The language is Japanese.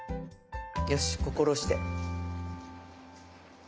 よし心して。